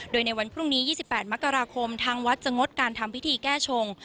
โดยในวันพรุ่งนี้๒๘มกราคมทางวัดจะงดการทำพิธีแก้ชง